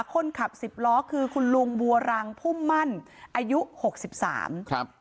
คนขับสิบล้อคือคุณลุงบัวรังผู้มั่นอายุกลางอายุ๖๓